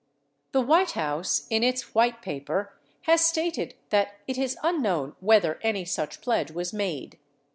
57 The White House, in its White Paper, has stated that it is unknown whether any such pledge was made.